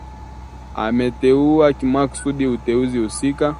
ameteua kimakusudi utenzi husika